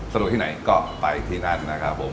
สะดวกที่ไหนก็ไปที่นั่นนะครับผม